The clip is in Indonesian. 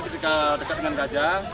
ketika dekat dengan gajah